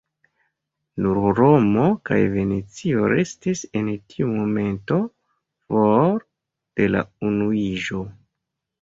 Nur Romo kaj Venecio restis en tiu momento for de la unuiĝo.